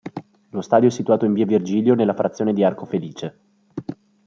Lo stadio è situato in via Virgilio nella frazione di Arco Felice.